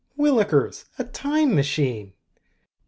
"Whillikers, a Time Machine!"